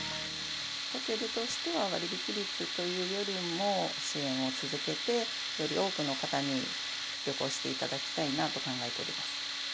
ホテルとしては、割引率というよりも、支援を続けて、より多くの方に旅行していただきたいなと考えております。